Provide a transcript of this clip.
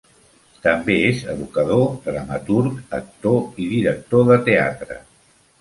També és educador, dramaturg, actor i director de teatre.